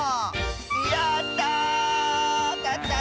やった！